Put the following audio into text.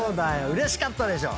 うれしかったでしょ？